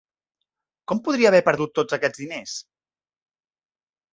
Com podria haver perdut tots aquests diners?